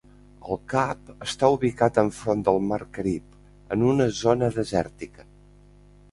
El cap està ubicat enfront del Mar Carib, en una zona desèrtica.